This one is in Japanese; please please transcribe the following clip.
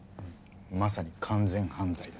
まさに完全犯罪だね。